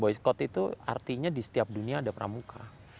boiskot itu artinya di setiap dunia ada pramuka